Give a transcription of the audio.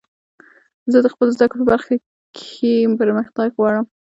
زه د خپلو زدکړو په برخه کښي پرمختګ غواړم.